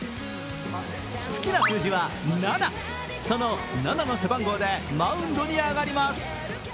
好きな数字は７、その７の背番号でマウンドに上がります。